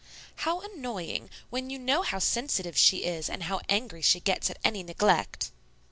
"How annoying! When you know how sensitive she is and how angry she gets at any neglect."